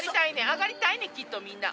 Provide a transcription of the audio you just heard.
上がりたいねんきっとみんな。